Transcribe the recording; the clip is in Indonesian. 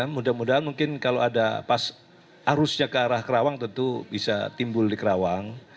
mudah mudahan mungkin kalau ada pas arusnya ke arah kerawang tentu bisa timbul di kerawang